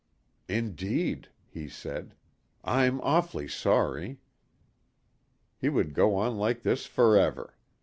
"Indeed," he said. "I'm awfully sorry." He would go on like this forever.